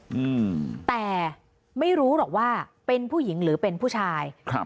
อืมแต่ไม่รู้หรอกว่าเป็นผู้หญิงหรือเป็นผู้ชายครับ